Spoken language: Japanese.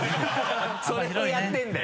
それをやってるんだよ